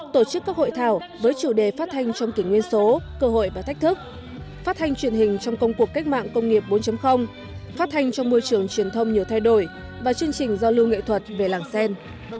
tổ chức các hội thảo với chủ đề phát thanh trong kỷ nguyên số cơ hội và thách thức phát thanh truyền hình trong công cuộc cách mạng công nghiệp bốn phát thanh trong môi trường truyền thông nhiều thay đổi và chương trình giao lưu nghệ thuật về làng sen